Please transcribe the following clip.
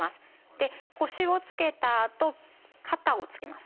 で腰をつけたあと肩をつけます。